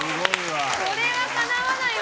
これはかなわないわ。